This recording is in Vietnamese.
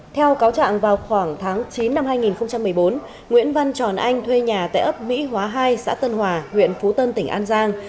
theo cáo trạng vào khoảng tháng chín năm hai nghìn một mươi bốn nguyễn văn tròn anh thuê nhà tại ấp mỹ hóa hai xã tân hòa huyện phú tân tỉnh an giang